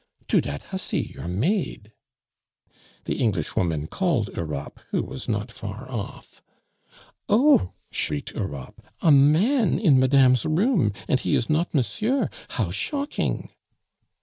"To dat hussy, your maid " The Englishwoman called Europe, who was not far off. "Oh!" shrieked Europe, "a man in madame's room, and he is not monsieur how shocking!"